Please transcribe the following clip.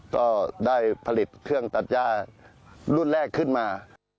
ก็ได้ผลิตเครื่องตัดย่ารุ่นแรกขึ้นมา